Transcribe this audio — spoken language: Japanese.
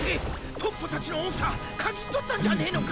トッポたちの音叉嗅ぎ取ったんじゃねえのか？